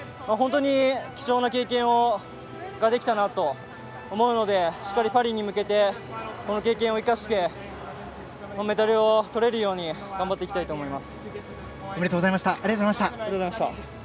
貴重な経験ができたなと思うのでしっかりパリに向けてこの経験を生かしてメダルをとれるように頑張っていきたいと思います。